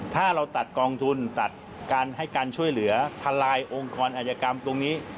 ถ้าเราตัดกองทุนตัดการให้การช่วยเหลือทลายองค์ครอัยกรรมตรงนี้